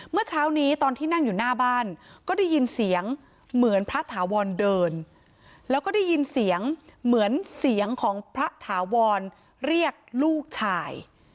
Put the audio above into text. เมื่อเช้านี้ตอนที่นั่งอยู่หน้าบ้านก็ได้ยินเสียงเหมือนพระถาวรเดินแล้วก็ได้ยินเสียงเหมือนเสียงของพระถาวรเรียกลูกชาย